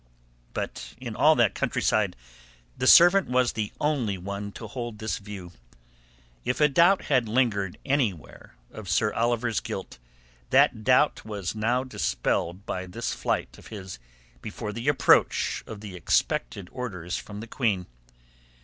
But in all that countryside the servant was the only one to hold this view. If a doubt had lingered anywhere of Sir Oliver's guilt, that doubt was now dispelled by this flight of his before the approach of the expected orders from the Queen.